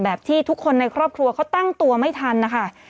ที่ทุกคนในครอบครัวเขาตั้งตัวไม่ทันนะคะ